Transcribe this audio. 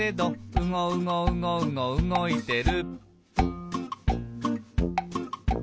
「うごうごうごうごうごいてる」